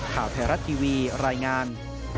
ข่าวไทยรัฐทีวีรายงาน